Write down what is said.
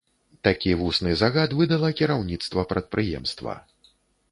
Такі вусны загад выдала кіраўніцтва прадпрыемства.